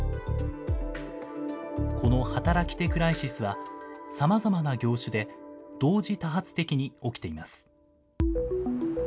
この働き手クライシスは、さまざまな業種で同時多発的に起きています。